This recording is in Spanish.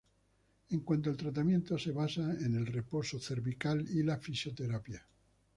En cuanto al tratamiento, se basa en el reposo cervical y la fisioterapia.